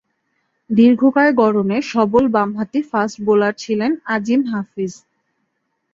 দীর্ঘকায় গড়নের সবল বামহাতি fast bowler ছিলেন আজিম হাফিজ।